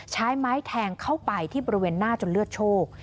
ใช้ไม้แทงเข้าไปที่บริเวณหน้าจนเลือดโชค